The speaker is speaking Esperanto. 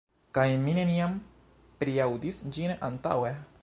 Kaj mi neniam priaŭdis ĝin antaŭe?"